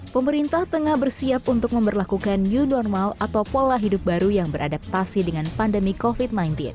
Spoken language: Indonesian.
pemerintah tengah bersiap untuk memperlakukan new normal atau pola hidup baru yang beradaptasi dengan pandemi covid sembilan belas